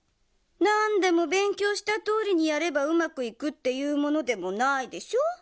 なんでもべんきょうしたとおりにやればうまくいくっていうものでもないでしょ。